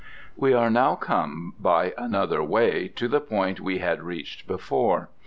We are now come by another way to the point we had reached before.